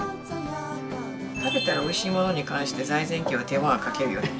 食べたらおいしいものに関して財前家は手間はかけるよね。